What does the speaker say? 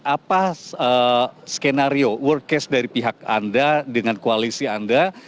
apa skenario work case dari pihak anda dengan koalisi anda